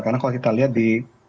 karena kalau kita lihat di